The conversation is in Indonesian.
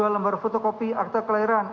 dua lembar fotokopi akta kelahiran